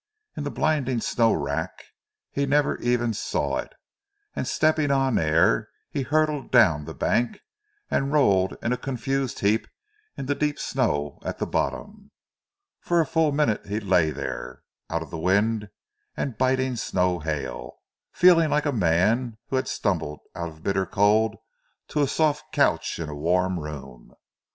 In the blinding snow wrack he never even saw it, and stepping on air, he hurtled down the bank, and rolled in a confused heap in the deep snow at the bottom. For a full minute he lay there, out of the wind and biting snow hail, feeling like a man who has stumbled out of bitter cold to a soft couch in a warm room.